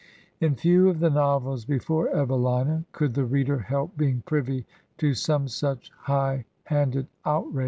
In few of the novels before '* Evelina '' could the reader help being privy to some such high handed outrage.